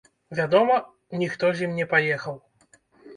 Вядома, ніхто з ім не паехаў.